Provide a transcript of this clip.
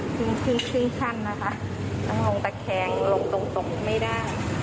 คือคืนคันนะคะต้องลงตะแคงลงตรงไม่ได้